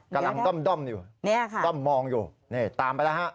กำลังด้อมอยู่เนี่ยค่ะด้อมมองอยู่นี่ตามไปแล้วฮะ